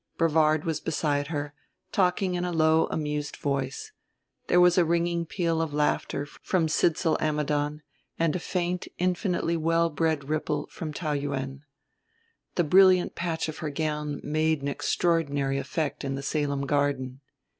Brevard was beside her, talking in a low amused voice: there was a ringing peal of laughter from Sidsall Ammidon and a faint infinitely well bred ripple from Taou Yuen. The brilliant patch of her gown made an extraordinary effect in the Salem garden.